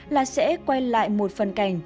là sẽ quay lại một phần cảnh